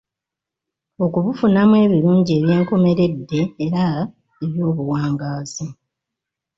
Okubufunamu ebirungi eby'enkomeredde era eby'obuwangaazi.